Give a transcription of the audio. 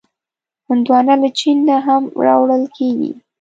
هندوانه له چین نه هم راوړل کېږي.